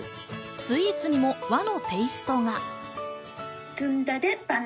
スイーツにも和のテイストが。